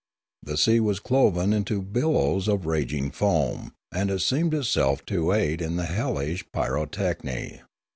The sea was cloven into bil lows of raging foam, and seemed itself to aid in the hellish pyrotechny.